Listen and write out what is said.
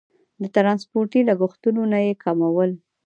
د ټرانسپورتي لګښتونه یې کمول.